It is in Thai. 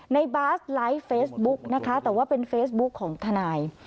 ในบาสไลฟ์เฟซบุ๊กนะคะแต่ว่าเป็นเฟซบุ๊กของทนาย